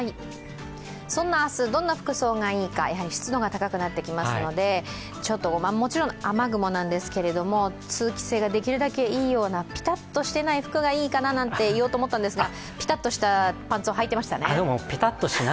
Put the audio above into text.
そんな明日、どんな服装がいいか湿度が高くなってきますのでもちろん雨雲なんですけれども通気性ができるだけいいような、ピタッとしていない服がいいかなと言おうとしたんですが、ぴたっとしたパンツをはいてましたね。